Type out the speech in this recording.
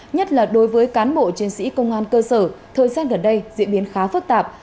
nhất là đối với cán bộ chiến sĩ công an cơ sở thời gian gần đây diễn biến khá phức tạp